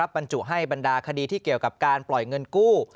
บรรจุให้บรรดาคดีที่เกี่ยวกับการปล่อยเงินกู้